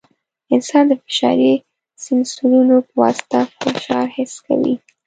انسان د فشاري سینسرونو په واسطه فشار حس کوي.